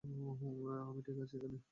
আমি ঠিক আছি এখানে।